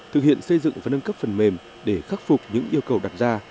thực hiện xây dựng và nâng cấp phần mềm để khắc phục những yêu cầu đặt ra